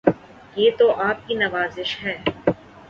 یہ تو آپ کی نوازش ہے